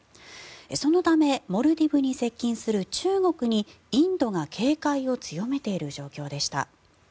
そのためモルディブに接近する中国にインドが警戒を強めている状況でした。